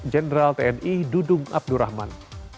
jenderal tni dudung abdurrahman